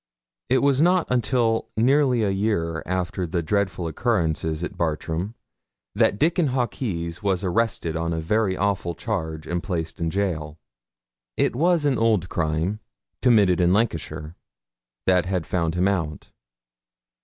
It was not until nearly a year after the dreadful occurrences at Bartram that Dickon Hawkes was arrested on a very awful charge, and placed in gaol. It was an old crime, committed in Lancashire, that had found him out.